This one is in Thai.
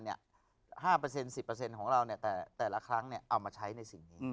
๕๑๐ของเราแต่ละครั้งเอามาใช้ในสิ่งนี้